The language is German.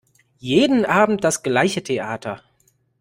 Jeden Abend das gleiche Theater!